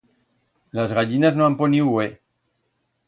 Las gallinas no han poniu hue.